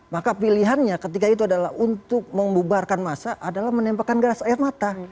maka pilihannya ketika itu adalah untuk membubarkan masa adalah menembakkan gas air mata